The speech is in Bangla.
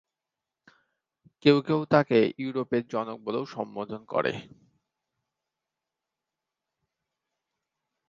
কেউ কেউ তাকে "ইউরোপের জনক" বলেও সম্বোধন করে।